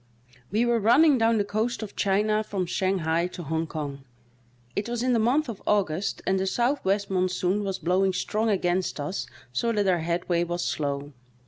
E were running down the coast of China from Shang hai to Hong Kong ; it was in the month of August and the southwest monsoon was blowing strong against us so that our headway was slow.